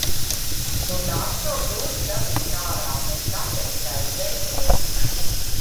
Un tās nav grūti dabūt ārā, bet kāpēc raizēties?